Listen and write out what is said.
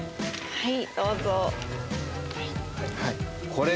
はい。